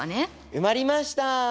埋まりました。